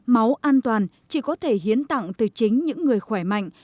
máu an toàn chỉ có thể hiến tặng từ chính những người khỏe mạnh